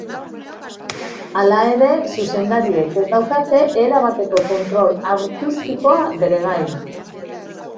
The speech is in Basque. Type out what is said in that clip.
Hala ere, zuzendariek ez daukate erabateko kontrol artistikoa bere gain.